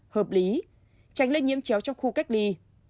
hợp lý tránh lây nhiễm chéo trong khu cách ly